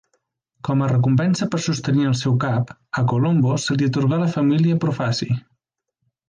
Com a recompensa per sostenir el seu cap, a Colombo se li atorgà la família Profaci.